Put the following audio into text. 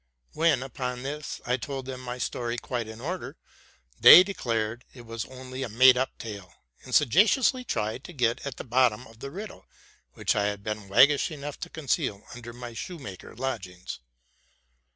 When, upon this, I told them my story quite in order, they declared it was only a made up tale, and sagaciously tried to gét at the bottom of the riddle which I had been waggish enough to conceal under my shoemaker lodgings.